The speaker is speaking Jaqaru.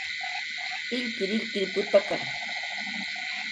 illkirilkir putaka